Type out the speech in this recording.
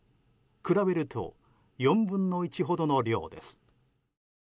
比べると４分の１ほどの量です。